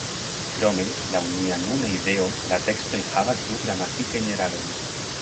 Krome, laŭ nia nuna ideo la teksto enhavas du gramatikajn erarojn.